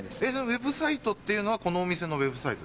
ウェブサイトっていうのはこのお店のウェブサイトですか？